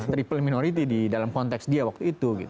triple minority di dalam konteks dia waktu itu